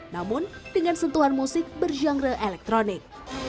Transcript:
namun dengan sentuhan musik bergenre elektronik